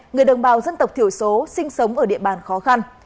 người đồng bào dân tộc thiểu số sinh sống ở địa bàn khó khăn